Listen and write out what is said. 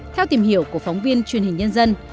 theo tìm hiểu của phóng viên truyền hình nhân dân